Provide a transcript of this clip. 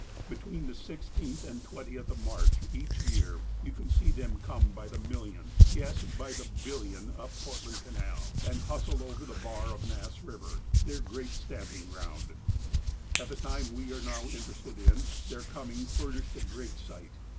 Between the 16th and 20th of March, each year, you can see them come by the million, yes, by the billion, up Portland Canal, and hustle over the bar of Nass River, their great stamj)ing ground. At the time we are now interested in, their coming fur nished a great sight.